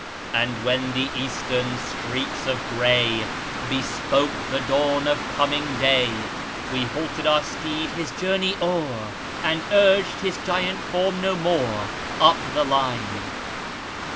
And when the Eastern streaks of gray Bespoke the dawn of coming day, We halted our steed, his journey o'er, And urged his giant form no more, Up the line.